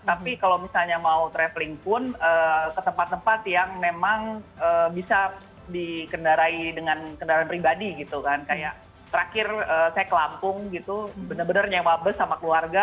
tapi kalau misalnya mau travelling pun ke tempat tempat yang memang bisa dikendarai dengan kendaraan berkendaraan ya